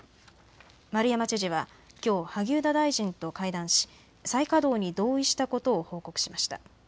丸山知事はきょう、萩生田大臣と会談し再稼働に同意したことを報告しました。